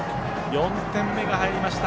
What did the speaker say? ４点目が入りました。